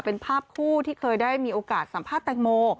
เป็นภาพคู่ที่เคยได้มีโอกาสสัมภาษณ์แตงโม